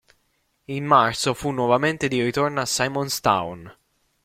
In marzo fu nuovamente di ritorno a Simon's Town.